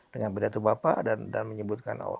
dengan pidato bapak dan menyebutkan